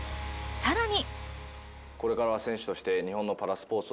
さらに。